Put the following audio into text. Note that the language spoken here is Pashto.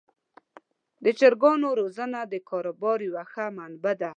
د چرګانو روزنه د کاروبار یوه ښه منبع ده.